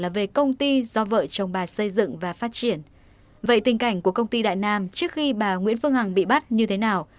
vậy tình cảnh của công ty đại nam trước khi bà nguyễn phương hằng bị bắt như thế nào